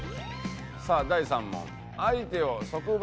さあ第３問。